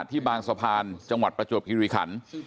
ที่บางสะพานจังหวัดประจวบคิริขัน